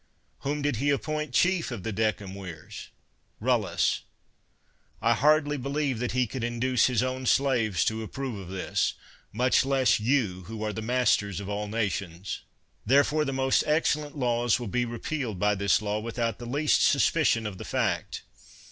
Whom did he appoint chief of the decemvirs? Rullus. I hardly believe that he could induce his own slaves to approve of this; much less you, who are the masters of all nations. Therefore, the most excellent laws will be repealed by this law without the least sus picion of the fact.